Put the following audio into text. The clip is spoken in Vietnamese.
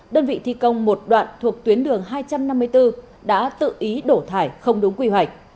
đơn vị thi công một đoạn thuộc tuyến đường hai trăm năm mươi bốn đã tự ý đổ thải không đúng quy hoạch